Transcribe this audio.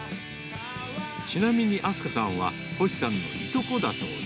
ちなみに明日香さんは星さんのいとこだそうで。